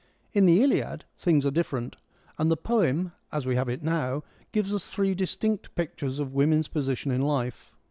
In the Iliad things are different, and the poem, as we have it now, gives us three distinct pictures of women's position in life.